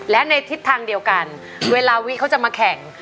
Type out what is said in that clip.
และในทิศทางเดียวกันเวลาวิเขาจะมาแข่ง